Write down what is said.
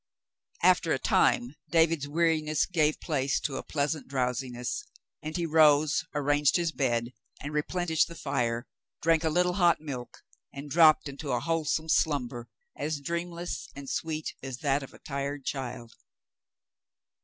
After a time, David's weariness gave place to a pleasant drowsiness, and he rose, arranged his bed, and replenished the fire, drank a little hot milk, and dropped into a wholesome slumber as dreamless and sweet as that of a tired child.